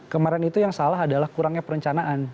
kemarin itu yang salah adalah kurangnya perencanaan